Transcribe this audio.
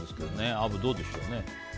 アブ、どうでしょうね？